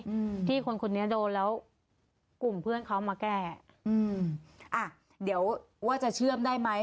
อืมที่คนคนนี้โดนแล้วกลุ่มเพื่อนเขามาแก้อืมอ่ะเดี๋ยวว่าจะเชื่อมได้ไหม